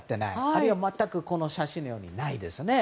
あるいは全くこの写真のように、ないですね。